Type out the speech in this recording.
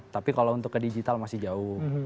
tapi kalau untuk ke digital masih jauh